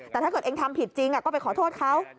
แต่ถ้าเกิดเองทำผิดจริงก็ไปขอโทษเขา